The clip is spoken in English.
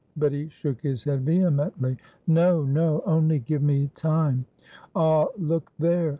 But he shook his head vehemently. "No, no only give me time. Ah, look there!"